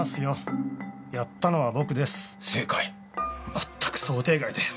まったく想定外だよ。